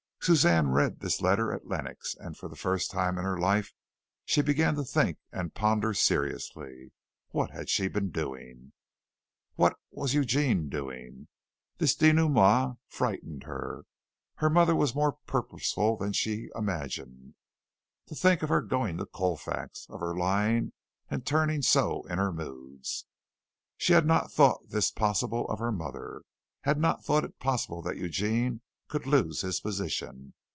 Suzanne read this letter at Lenox, and for the first time in her life she began to think and ponder seriously. What had she been doing? What was Eugene doing? This dénouement frightened her. Her mother was more purposeful than she imagined. To think of her going to Colfax of her lying and turning so in her moods. She had not thought this possible of her mother. Had not thought it possible that Eugene could lose his position.